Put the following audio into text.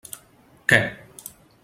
Què?